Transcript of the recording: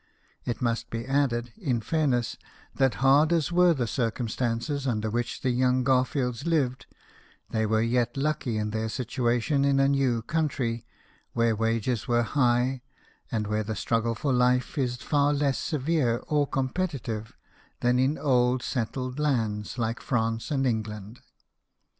It must be. added, in fairness, that hard as were the cii cumstances under which the young Garfields lived, they were yet lucky in their situation in a new country, where wages were high, and where the struggle for life is far less severe or competi tive than in old settled lands like France and England.